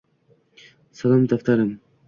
Salom, daftarim –